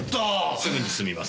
すぐに済みます。